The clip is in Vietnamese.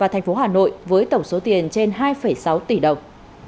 thành phố hà nội với tổng số tiền trên hai sáu tỷ đồng